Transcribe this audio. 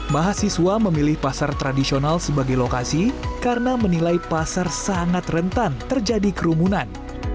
mahasiswa memilih pasar tradisional sebagai lokasi karena menilai pasar sangat rentan terjadi kerumunan